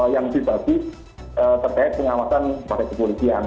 yang dibagi terkait pengawasan pada kepolisian